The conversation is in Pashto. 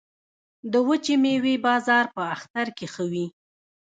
د وچې میوې بازار په اختر کې ښه وي